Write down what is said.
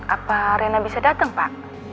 apa rena bisa datang pak